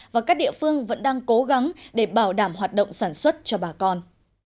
và các địa phương vẫn đang cố gắng để bảo đảm hoạt động sản xuất cho bà con